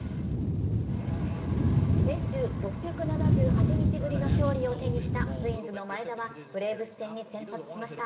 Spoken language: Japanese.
先週６７８日ぶりの勝利を手にした、ツインズの前田はブレーブス戦に先発しました。